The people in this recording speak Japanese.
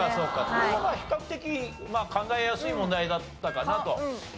これは比較的考えやすい問題だったかなと。